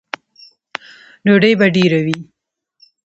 _ډوډۍ به ډېره وي؟